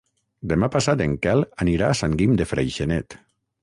Demà passat en Quel anirà a Sant Guim de Freixenet.